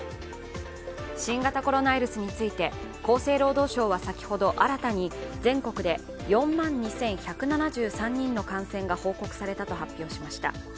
新型コロナウイルスについて厚生労働省は先ほど新たに全国で４万２１７３人の感染が報告されたと発表しました。